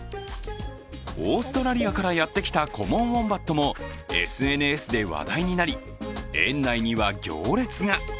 オーストラリアからやってきたコモンウォンバットもＳＮＳで話題になり、園内には行列が。